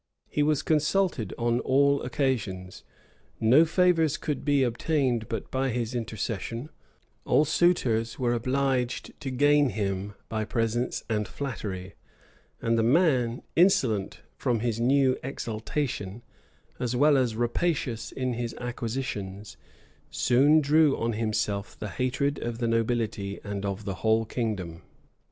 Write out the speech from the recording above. He was consulted on all occasions; no favors could be obtained but by his intercession; all suitors were obliged to gain him by presents and flattery; and the man, insolent from his new exaltation, as well as rapacious in his acquisitions, soon drew on himself the hatred of the nobility and of the whole kingdom.